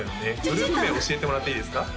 グループ名教えてもらっていいですか？